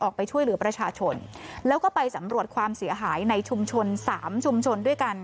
ออกไปช่วยเหลือประชาชนแล้วก็ไปสำรวจความเสียหายในชุมชนสามชุมชนด้วยกัน